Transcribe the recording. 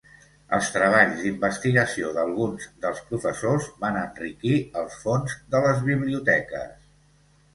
Els treballs d'investigació d'alguns dels professors van enriquir els fons de les biblioteques.